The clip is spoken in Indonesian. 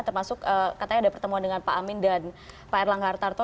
termasuk katanya ada pertemuan dengan pak amin dan pak erlangga hartarto